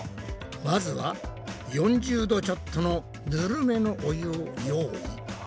まずは４０℃ちょっとのぬるめのお湯を用意。